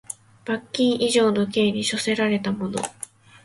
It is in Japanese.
罰金以上の刑に処せられた者